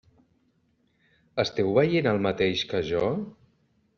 Esteu veient el mateix que jo?